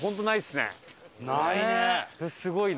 すごいな。